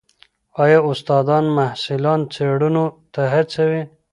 ایا استادان محصلان څېړنو ته هڅوي؟